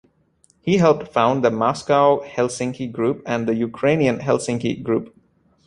He helped found the Moscow Helsinki Group and the Ukrainian Helsinki Group.